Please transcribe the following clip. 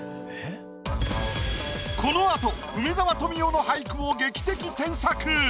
この後梅沢富美男の俳句を劇的添削！